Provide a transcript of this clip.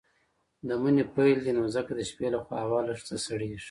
د مني پيل دی نو ځکه د شپې لخوا هوا لږ څه سړييږي.